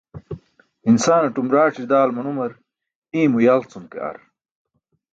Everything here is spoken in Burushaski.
Insaanatum raac̣i daal manumr, iymo yal cum ke ar.